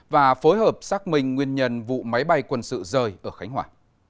và phối hợp xác minh nguyên nhân vụ máy bay quân sự rơi ở khánh hòa